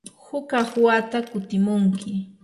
hukaq wata kutimunkim.